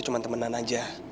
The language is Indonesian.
cuma temenan aja